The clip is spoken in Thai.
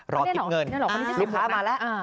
รอหยิบเงินหยิบค้ามาแล้ว